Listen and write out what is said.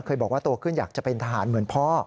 บอกว่าโตขึ้นอยากจะเป็นทหารเหมือนพ่อ